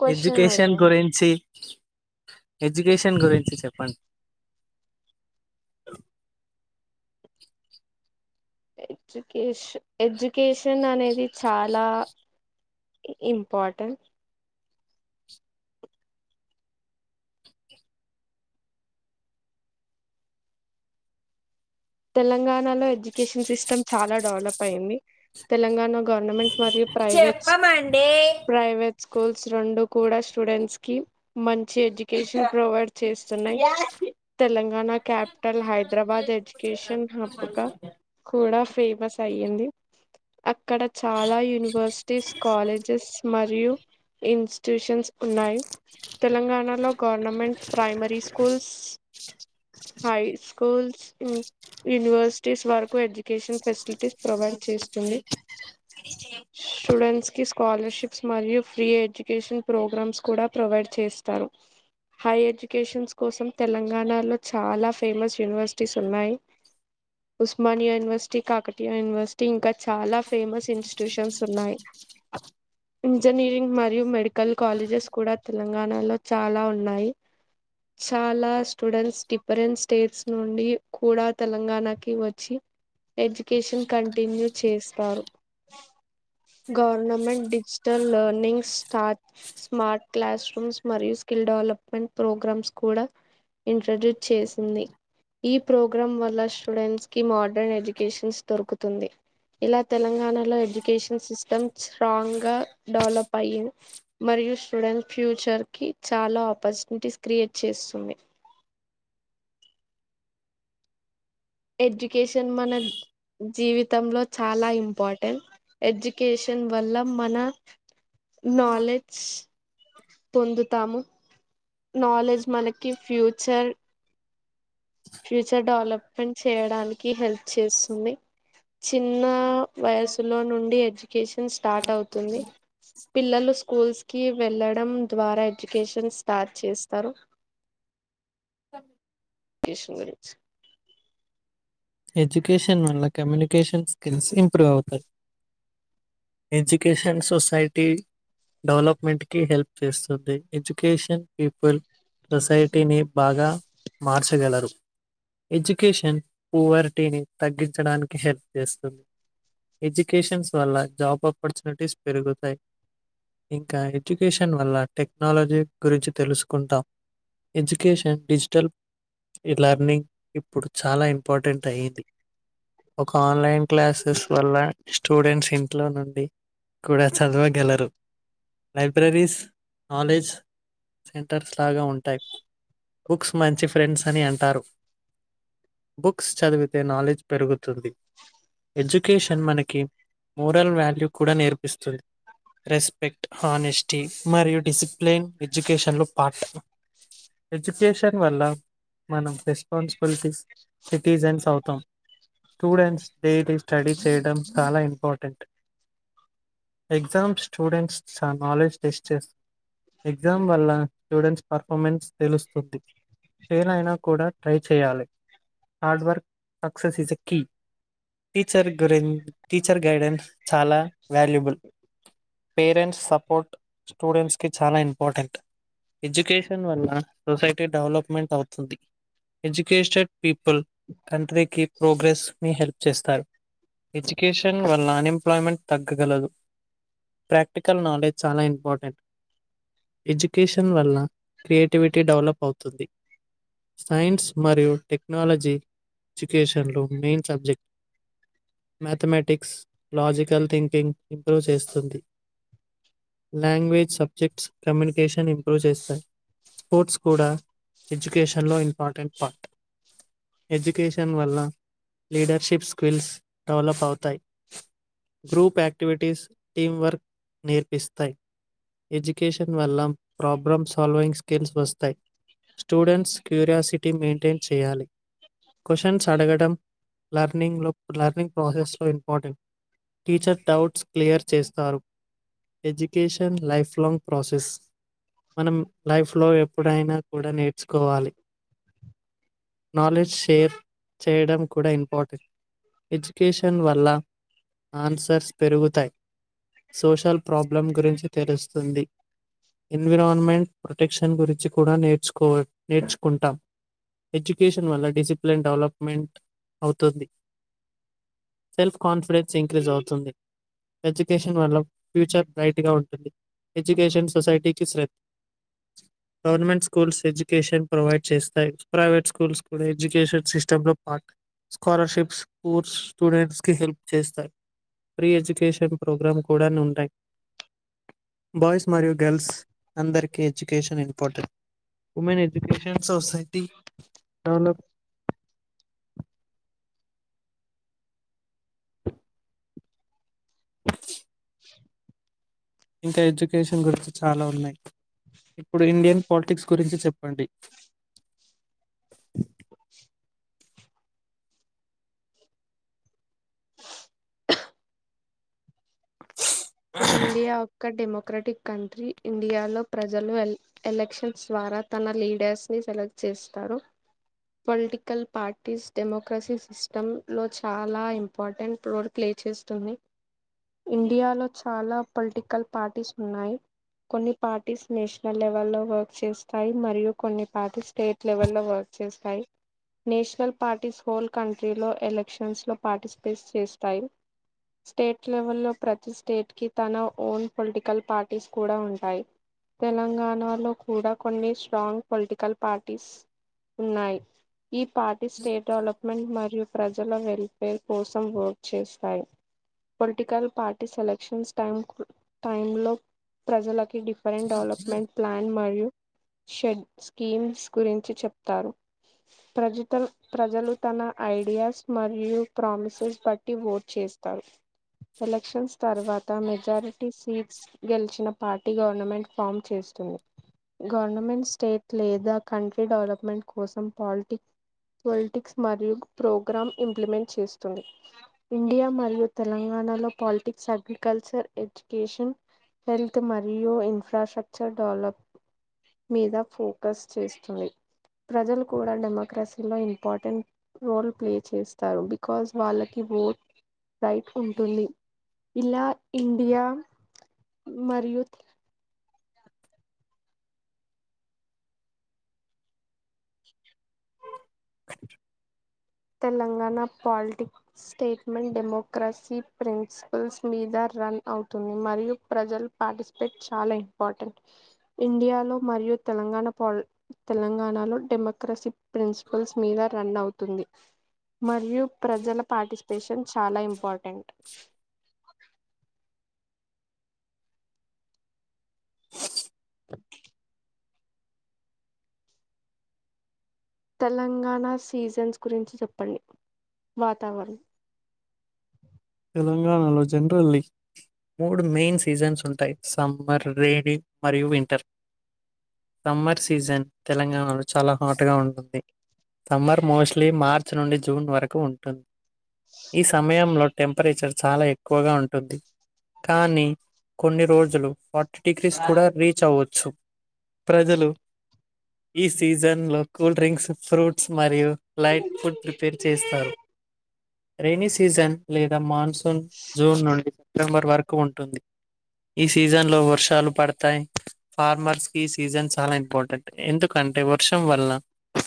Question education అడగాను గురించి education గురించి చెప్పండి అలో ఎడ్యుకేష ఎడ్యుకేషన్ అనేది చాలా ఇంపార్టెంట్ తెలంగాణలో ఎడ్యుకేషన్ సిస్టమ్ చాలా డెవలప్ అయింది తెలంగాణ గవర్నమెంట్ మరియు ప్రైవేట్స్ చెప్పమండి ప్రైవేట్ స్కూల్స్ రోండు కూడా స్టూడెంట్స్ కి మంచి ఎడ్యుకేషన్ ప్రొవైడ్ చేస్తున్నాయి తెలంగాణ క్యాప్టల్ హైద్రబాదే కేషన్ హబ్ గా కూడా ఫేమస్ అయ్యింది అక్కడ చాలా యూనివర్సిటీస్ కాలేజెస్ మరియు ఇన్స్ ట్యూషన్స్ ఉన్నాయి తెలంగాణలో government primary schools high schools ఉ యూనివర్సిటీస్ వరకు ఎడ్జ్ కేషన్ ఫెసిలిటీస్ ప్రొవైడ్ చేస్తుంది స్టూడెంట్స్ కి స్కూ స్కాలర్షిప్స్ మరియు ఫ్రీ ఎడ్యుకేషన్ ప్రోగ్రమ్స్ కూడా ప్రొవైడ్ చేస్తారు హై ఎడ్యుకేషన్స్ కోసం తెలంగాణలో చాలా ఫేమస్ యూనివర్సిటీస్ ఉన్నాయి ఉస్మానియా యూనివర్సిటీ కాకతీయ యూనివర్సిటీ ఇంకా చాలా ఫేమస్ ఇన్స్టిట్యూషన్స్ ఉన్నాయి ఇంజనీరింగ్ మరియు మెడికల్ కాలేజెస్ కూడా తెలంగాణలో చాలా ఉన్నాయి చాలా స్టూడెంట్స్ డిఫరెంట్ స్టేట్స్ నుండి కూడా తెలంగాణకి వచ్చి ఎడ్యుకేషన్ కంటిన్యూ చేస్తారు government digital learning start smart class rooms మరియు స్ స్కిల్ డెవలప్మెంట్ ప్రోగ్రమ్స్ కూడా ఇంట్రడ్యూస్ చేసింది ఈ ప్రోగ్ గ్రం వల్ల స్టూడెంట్స్ కి మోడ్రన్ ఎడ్యుకేషన్స్ దొరుకుతుంది ఇలా తెలంగాణలో ఎడ్యుకేషన్ సిస్టమ్ స్ట్రాంగ్గా డెవలప్ అయ్యి మరియు స్టూడెంట్ ఫ్యూచర్ కి చాలా ఆపర్చునిటీస్ క్రియేట్ చేస్తుంది [unintelligible] ఎడ్యుకేషన్ మనక్ జీవితంలో చాలా ఇంపార్టెంట్ ఎడ్యుకేషన్ వల్ల మన నాలెడ్జ్ పొందుతాము నాలెడ్జ్ మనకి ఫ్యూచర్ ఫ్యూచర్ డెవలప్మెంట్ చేయడానికి హెల్ప్ చేస్తుంది చిన్న వయసు లో నుండి ఎడ్యుకేషన్ స్టార్ట్ అవుతుంది పిల్లలు స్కూల్స్ కి వెళ్ళడం ద్వ్ ద్వారా ఎడ్యుకేషన్ స్టార్ట్ చేస్తారు కేషన్ గురించి ఎడ్యుకేషన్ వల్ల కమ్యూనికేషన్ స్కిల్స్ ఇంప్రూవ్ అవుతాయి ఎడ్యుకేషన్ సోసైటీ డెవలప్మెంట్ కి హెల్ప్ చేస్తుంది ఎడ్యుకేషన్ పీపుల్ సొసైటీని బాగా మార్చగలరు ఎడ్యుకేషన్ పువర్టీని తగ్గించడానికి హెల్ప్ చేస్తుంది ఎడ్యుకేషన్స్ వల్ల జాబ్ ఆపర్చునిటీస్ పెరుగుతాయి ఇంకా ఎడ్యుకేషన్ వల్ల టెక్నాలజీ గురించి తెలుసుకుంటాం ఎడ్యుకేషన్ డిజిటల్ లర్నింగ్ ఇప్పుడు చాలా ఇం ఇంపార్టెంట్ అయ్యింది ఒక ఆన్లైన్ క్లాసెస్ వల్ల స్టూడెంట్స్ ఇంట్లో నుండి కూడా చదవగలరు లైబ్రరీస్ నాలెడ్జ్ సెంటర్స్ లాగా ఉంటాయి బుక్స్ మంచి ఫ్రెండ్స్ అని అంటారు బుక్స్ చదివితే నాలెడ్జ్ పెరుగుతుంది ఎడ్యుకేషన్ మనకి మోరల్ వాల్యూ కూడా నేర్పిస్తుంది రెస్పెక్ట్ హనెస్టీ మరియు డిసిప్లిన్ ఎడ్యుకేషన్లో పార్ట్ ఎడ్యుకేషన్ వల్ల మనం రెస్పాన్సిబిలిటీస్ సిటీజన్స్ అవుతాం స్టూడెంట్స్ డైలీ స్టడీ చేయడం చాలా important exam students knowledge test చేస్త ఎగ్జామ్ వల్ల స్టూడెంట్స్ పర్ఫార్మెన్స్ తెలుస్తుంది ఫెయిల్ అయినా కూడా ట్రై చేయాలి hard work success is a key teacher గు టీచర్ గైడెన్స్ చాలా వాల్యూబుల్ పేరెంట్స్ సపోర్ట్ స్టూడెంట్స్ కి చాలా ఇంపార్టెంట్ ఎడ్యుకేషన్ వల్ల సొసైటీ డెవలప్మెంట్ అవుతుంది ఎడ్యుకేషడ్ పీపుల్ పుల్ కంట్రీకి ప్రోగ్రెస్ మీ హెల్ప్ చేస్తాయి ఎడ్యుకేషన్ వల్ల అన్ఎంప్లాయ్మెంట్ తగ్గగలదు ప్రాక్టికల్ నాలెడ్జ్ చాలా ఇంపార్టెంట్ ఎడ్యుకేషన్ వల్ల క్రియేటివిటీ డెవలప్ అవుతుంది సైన్స్ మరియు టెక్ టెక్నాలజీ ఎడ్యుకేషన్లో main subject mathematics logical thinking improve చేస్తుంది లాంగ్వేజ్ సబ్జెక్ట్స్ కమ్యూనికేషన్ ఇంప్రూవ్ చేస్తాయి. స్పోర్ట్స్ కూడా ఎడ్యుకేషన్ లో ఇంపార్టెంట్ పార్ట్ ఎజ్యుకేషన్ వల్ల లీడర్షిప్ స్కిల్స్ డెవలప్ అవుతాయి గ్రూప్ యాక్టివిటీస్ టీం వర్క్ నేర్పిస్తాయి ఎడ్యుకేషన్ వల్ల ప్రాబ్లం సాల్వింగ్ స్కిల్స్ వస్తాయి స్టూడెంట్స్ క్యూరియాసిటీ మెయింటైన్ చేయాలి క్వశ్చన్స్ అడగడం లర్నింగ్ లో లెర్నింగ్ ప్రాసెస్ లో ఇంపార్టెంట్ టీచర్ డౌట్స్ క్లియర్ చేస్తారు ఎజ్యుకేషన్ లైఫ్ లాంగ్ ప్రాసెస్ మనం లైఫ్ లో ఎప్పుడైనా కూడా నేర్చుకోవాలి నాలెడ్జ్ షేర్ చేయడం కూడా ఇంపార్టెంట్ ఎడ్యుకేషన్ వల్ల ఆన్సర్స్ పెరుగుతాయి సోషల్ ప్రాబ్లం గురించి తెలుస్తుంది ఎన్విరాన్మెంట్ ప్రొటెక్షన్ గురించి కూడా నేర్చుకో నేర్చుకుంటాం ఎడ్యుకేషన్ వల్ల డిసిప్లిన్ డెవలప్మెంట్ అవుతుంది సెల్ఫ్ కాన్ఫిడెన్స్ ఇంక్రీజ్ అవుతుంది ఎడ్యుకేషన్ వల్ల ఫ్యూచర్ బ్రైట్ గా ఉంటుంది ఎజుకషన్ సోసయిటీ కి శ్రేం గవర్నమెంట్ స్కూల్స్ ఎడ్యుకేషన్ ప్రొవైడ్ చేస్తాయి ప్రైవేట్ స్కూల్స్ కూడా ఎడ్యుకేషన్ సిస్టమ్ లో పార్ట్ స్కాలర్షిప్స్ కోర్స్ స్టూడెంట్స్ కి హెల్ప్ చేస్తాయి ప్రీ ఎడ్యుకేషన్ ప్రోగ్రామ్ కూడా నుంటాయి బాయ్స్ మరియు గర్ల్స్ అందరికి education important women education society develop ఇంకా ఎడ్యుకేషన్ గురించి చాలా ఉన్నాయి ఇప్పుడు ఇండియన్ పాలిటిక్స్ గురించి చెప్పండి ఇండియా ఒక్క మోక్ మక్రటిక్ కంట్రీ ఇండియాలో ప్రజలు ఎలక్షన్స్ ద్వారా తన లీడర్స్ ని సెలెక్ట్ చే చేస్తారు పొలిటికల్ పార్టీస్ డెమోక్రసీ సిస్టమ్ లో చాలా ఇంపార్టెంట్ రోల్ ప్లే ఇచ్చేస్తుంది ఇండియాలో చాలా పొలిటికల్ పార్టీస్ ఉన్నాయి కొన్ని పార్టీస్ నేషనల్ లెవెల్ లో వర్క్ చేస్తాయి మరియు కొన్ని పార్టీ స్టేట్ లెవెల్ లో వర్క్ చేస్తాయి నేషనల్ పార్టీస్ హోల్ కంట్రీలో ఎలక్షన్స్ లో పార్టిసిపేట్స్ చేస్తాయి స్టేట్ లెవెల్లో ప్రతిస్ స్టేట్ కి తన ఓన్ పొలిటికల్ పార్టీస్ కూడా ఉంటాయి తెలంగాణలో కూడా కొన్ని స్ట్రాంగ్ పొలిటికల్ పార్టీస్ ఉన్నాయి ఈ పార్టీ స్టేట్ డెవలప్మెంట్ మరియు ప్రజల వెల్ఫేర్ కోసం ఓట్ చేస్తాయి political party selection time కు టైం లో ప్రజలకి డిఫరెంట్ డెవలప్మెంట్ ప్లాన్ మరియు షెడ్ స్కీమ్స్ గురించి చెప్తారు ప్రజతల్ ప్రజలు తన ఐడియాస్ మరియు ప్రామిసెస్ బట్టి ఓట్ చేస్తారు ఎలక్షన్స్ తర్వాత మెజారిటీ సీట్స్ గెలిచిన పార్టీ గవర్నమెంట్ ఫామ్ చేస్తుంది గవర్నమెంట్ స్టేట్ లేదా కంట్రీ డెవలప్మెంట్ కోసం పాలిటి పొలిటిక్స్ మరియు ప్రోగ్రామ్ ఇంప్లిమెంట్ చేస్తుంది ఇండియా మరియు తెలంగాణలో పాలిటిక్స్ అగ్రికల్చర్ ఎడ్యుకేషన్ హెల్త్ మరియు ఇన్ఫ్రాస్ట్రక్చర్ డెవలప్ మీద ఫోకస్ చేస్తుంది ప్రజలు కూడా డెమోక్రసీలో ఇంపార్టెంట్ రోల్ ప్లే చేస్తారు బికాస్ వాళ్ళకి ఓట్ రైట్ ఉంటుంది ఇలా ఇండియా మరియుత్ Telangana politics statement democracy principles మీదర్ రన్ అవుతుంది మరియు ప్రజల పార్టిసిపేట్ చాలా ఇంపార్టెంట్ ఇండియాలో మరియు తె తెలంగాణ పాల్ తెలంగాణ లో డెమోక్రసీ ప్రిన్సిపల్స్ మీద రన్ అవుతుంది మరియు ప్రజల పార్టిసిపేషన్ చాలా ఇం పటెంట్ తెలంగాణ సీజన్స్ గురించి చెప్పండి వాతావరణం తెలంగాణలో జనరల్లి మూడు మెయిన్ సీజన్స్ ఉంటాయి సమ్మర్ రేని మరియు వింటర్ సమ్మర్ సీజన్ తెలంగాణలో చాలా హాటుగా ఉంటుంది సమ్మర్ మోస్ట్లీ మార్చ్ నుండి జూన్ వరకు ఉంటుంది ఈ సమయంలో టెంపరేచర్ చాలా ఎక్కువగా ఉంటుంది కానీ కొన్ని రోజులు డిగ్రీస్ కూడా రీచ్ అవచ్చు ప్రజలు ఈ సీజన్ లో కూల్ డ్రింక్స్ ఫ్రూట్ మరియు లైట్ ఫుడ్ ప్రిపేర్ చేస్తారు రేని సీజన్ లేదా మాన్సూన్ జూన్ నుడి సెప్టెంబర్ వరకు ఉంటుంది ఈ సీజన్ లో వర్షాలు పడతాయి ఫార్మర్స్ కి సీజన్ చాలా ఇంపార్టెంట్ ఎందుకంటే వర్షం వల్ల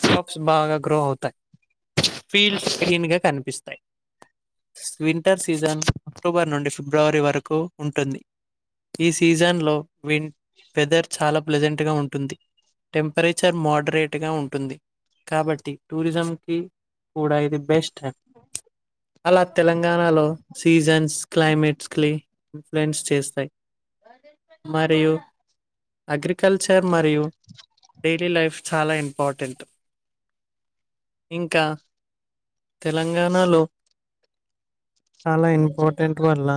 స్మోక్స్ బాగా గ్రో అవుతాయి ఫీల్డ్స్ క్లీన్ గా కనిపిస్తాయి వింటర్ సీజన్ అక్టోబర్ నుండి ఫిబ్రవరి వరకు ఉంటుంది ఈ సీజన్ లో విన్ వెదర్ చాలా ప్లెజెంట్ గా ఉంటుంది టెంపరేచర్ మోడరేట్ గా ఉంటుంది కాబట్టి టూరిజం కి కూడా ఇది బెస్ట్ అలా తెలంగాణలో సీజన్స్ క్లైమేట్స్ క్లి ఇన్ఫ్లుయెన్స్ చేస్తాయి మరియు అగ్రికల్చర్ మరియు డైలీ లైఫ్ చాలా ఇంపార్టెంట్ ఇంకా తెలంగాణలో అలా ఇంపోర్టెంట్ వల్ల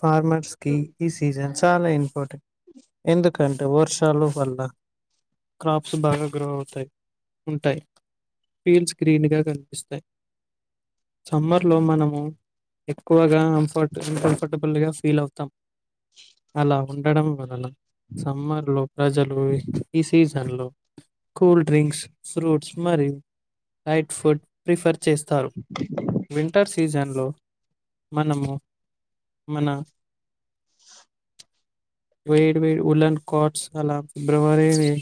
ఫార్మర్స్ కి ఈ సీజన్ చాలా ఇంపార్టెంట్ ఎందుకంటే వొర్షాలు పల్ల క్రాప్స్ బాగా గ్రో అవుతాయ్ ఉంటాయ్ పీల్చ్ గ్రీన్ గా కనిపిస్తాయ్ సమ్మర్ లో మనము ఎక్కువగా అంఫర్ట్ ఇన్ కంఫర్టబుల్ గా ఫీల్ అవుతాం అలా ఉండడం వలన సమ్మర్ లో ప్రజలు ఈ సీజన్ లో కూల్ డ్రింక్స్ ఫ్రూట్స్ మరియు లైట్ ఫుడ్ ప్రిఫర్ చేస్తారు వింటర్ సీజన్ లో మనము మన వేడి వేడి ఉలన్ కాట్స్ అలా ఫిబ్రవరి వెరి